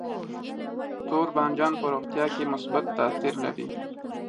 تور بانجان په روغتیا کې مثبت تاثیر لري.